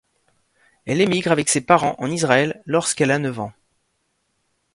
Elle émigre avec ses parents en Israël lorsqu'elle a neuf ans.